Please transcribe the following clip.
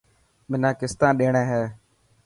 منا ڪستان ڏيڻي هي.